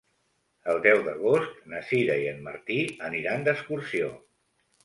El deu d'agost na Sira i en Martí aniran d'excursió.